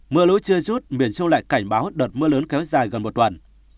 mưa lũ chưa rút miền trung lại cảnh báo đợt mưa lớn kéo dài gần một tuần